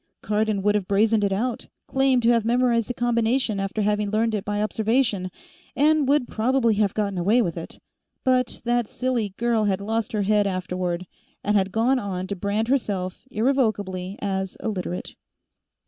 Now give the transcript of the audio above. Cardon would have brazened it out, claimed to have memorized the combination after having learned it by observation, and would probably have gotten away with it. But that silly girl had lost her head afterward, and had gone on to brand herself, irrevocably, as a Literate.